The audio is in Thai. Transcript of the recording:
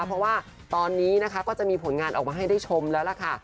เพราะว่าตอนนี้นะคะก็จะมีผลงานออกมาให้ได้ชมแล้วล่ะค่ะ